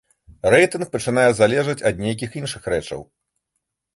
Рэйтынг пачынае залежаць ад нейкіх іншых рэчаў.